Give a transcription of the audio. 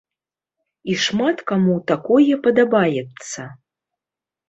І шмат каму такое падабаецца.